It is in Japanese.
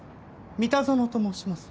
三田園と申します。